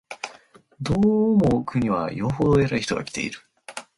どうも奥には、よほど偉い人が来ている